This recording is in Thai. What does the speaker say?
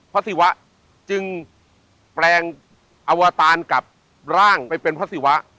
ศิวะจึงแปลงอวตารกับร่างไปเป็นพระศิวะ